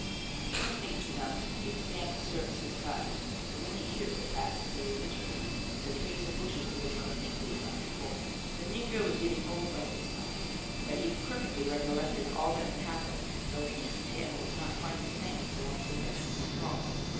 The first thing to be done was to get Sam to serve as his guide, for many years had passed since his adventure, and the trees and bushes would have grown thickly about the hole. The negro was getting old by this time, but he perfectly recollected all that had happened, though his tale was not quite the same as the one told by Peechy Prauw.